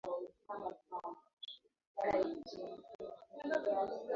Kugawa sentensi katika kiima na kiarifu